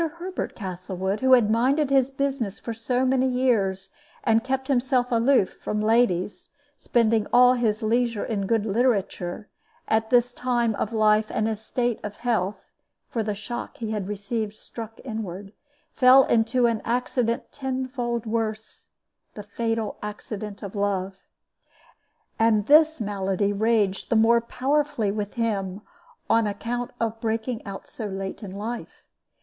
Herbert Castlewood, who had minded his business for so many years, and kept himself aloof from ladies, spending all his leisure in good literature, at this time of life and in this state of health (for the shock he had received struck inward), fell into an accident tenfold worse the fatal accident of love. And this malady raged the more powerfully with him on account of breaking out so late in life.